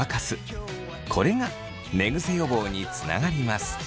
これが寝ぐせ予防につながります。